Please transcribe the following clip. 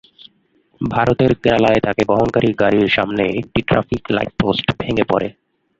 ভারতের কেরালায় তাঁকে বহনকারী গাড়ির সামনে একটি ট্রাফিক লাইটপোস্ট ভেঙে পড়ে।